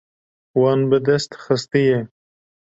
Wan bi dest xistiye.